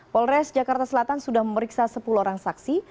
polres jakarta selatan sudah memeriksa sepuluh orang saksi